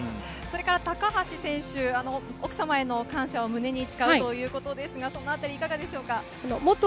高橋選手、奥様への感謝を胸に誓うということですが、その辺り、いかがですか？